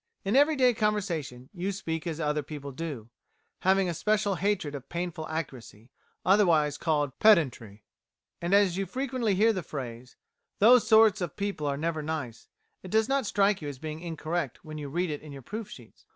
In everyday conversation you speak as other people do having a special hatred of painful accuracy, otherwise called pedantry; and as you frequently hear the phrase: "Those sort of people are never nice," it does not strike you as being incorrect when you read it in your proof sheets.